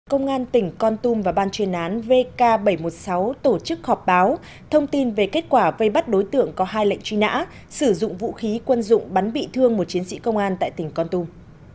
công an tỉnh con tum và ban chuyên án vk bảy trăm một mươi sáu tổ chức họp báo thông tin về kết quả vây bắt đối tượng có hai lệnh truy nã sử dụng vũ khí quân dụng bắn bị thương một chiến sĩ công an tại tỉnh con tum